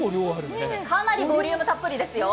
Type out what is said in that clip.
かなりボリュームたっぷりですよ。